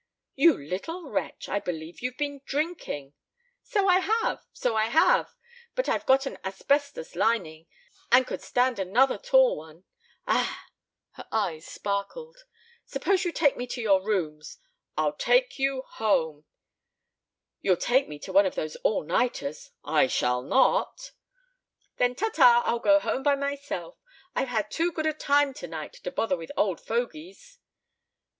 "You little wretch! I believe you've been drinking." "So I have! So I have! But I've got an asbestos lining and could stand another tall one. Ah!" Her eyes sparkled. "Suppose you take me to your rooms " "I'll take you home " "You'll take me to one of those all nighters " "I shall not." "Then ta! ta! I'll go home by myself. I've had too good a time tonight to bother with old fogies."